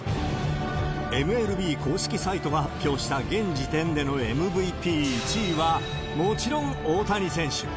ＭＬＢ公式サイトが発表した現時点でのＭＶＰ１位は、もちろん大谷選手。